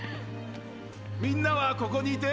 みんなはここにいて！